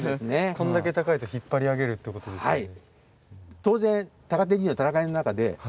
こんだけ高いと引っ張り上げるってことですよね。